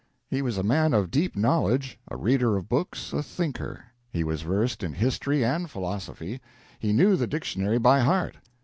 He was a man of deep knowledge, a reader of many books, a thinker; he was versed in history and philosophy, he knew the dictionary by heart.